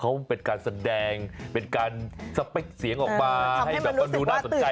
เขาเป็นอย่างนี้จริงคุณผู้ชมครับ